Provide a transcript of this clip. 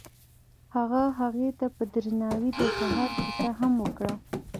هغه هغې ته په درناوي د سهار کیسه هم وکړه.